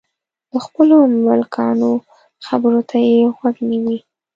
د خپلو ملکانو خبرو ته یې غوږ نیوی.